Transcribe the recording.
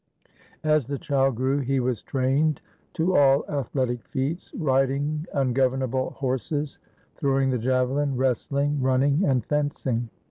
As the child grew, he was trained to all athletic feats, riding ungovernable horses, throwing the javelin, wrestling, running, and fencing.